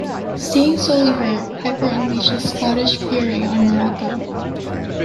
Seeing Solie hurt, Piper unleashed his Scottish fury on Muraco.